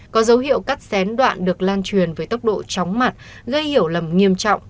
có dấu hiệu cắt xén đoạn được lan truyền với tốc độ chóng mặt gây hiểu lầm nghiêm trọng